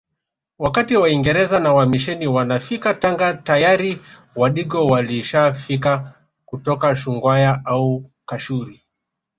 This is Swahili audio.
Wakati waingereza na wamisheni wanafika Tanga tayari wadigo walishafika kutoka Shungwaya au kashuri